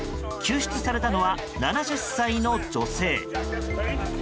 救出されたのは７０歳の女性。